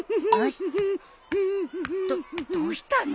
どどうしたの？